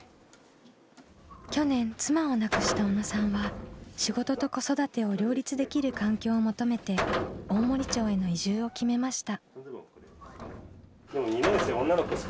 去年妻を亡くした小野さんは仕事と子育てを両立できる環境を求めて大森町への移住を決めました。